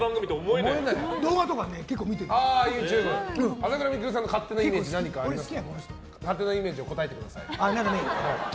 朝倉未来さんの勝手なイメージ何かありますか？